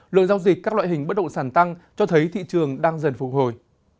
lượng giao dịch các loại hình bất động sản tăng cho thấy thị trường đang dần phục hồi